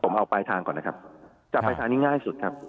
ผมเอาปลายทางก่อนนะครับจับปลายทางนี้ง่ายสุดครับ